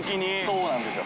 そうなんですよ。